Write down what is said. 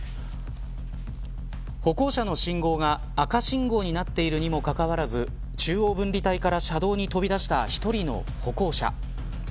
歩行者の信号が赤信号になっているにもかかわらず中央分離帯から車道に飛び出した１人の歩行者。